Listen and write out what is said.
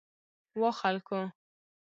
وا خلکو!